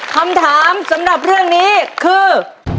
คำถามสำหรับเรื่องนี้คือ